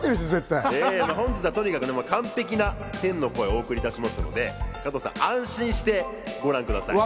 今日は完璧な天の声をお送りするので加藤さん安心してご覧ください。